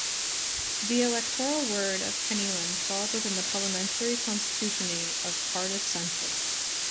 The electoral ward of Penylan falls within the parliamentary constituency of Cardiff Central.